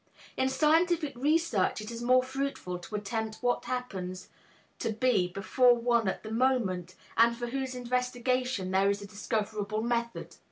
In scientific research it is more fruitful to attempt what happens to be before one at the moment and for whose investigation there is a discoverable method.